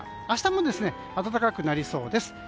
明日も暖かくなりそうです。